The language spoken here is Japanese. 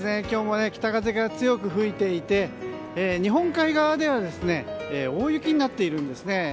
今日も北風が強く吹いていて日本海側では大雪になっているんですね。